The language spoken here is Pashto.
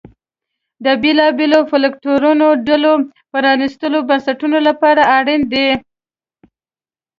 د بېلابېلو فکټورونو ګډوله پرانیستو بنسټونو لپاره اړین دي.